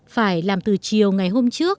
phải làm từ chiều ngày hôm trước